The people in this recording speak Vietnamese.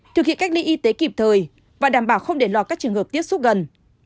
thực hiện cách ly y tế kịp thời và đảm bảo không để lọt các trường hợp tiếp xúc gần